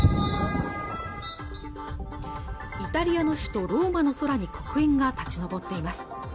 イタリアの首都ローマの空に黒煙が立ち上っています